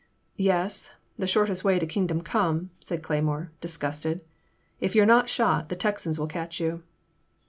Yes, the shortest way to Kingdom come,'* said Cleymore, disgusted; if you *re not shot, the Texans will catch you.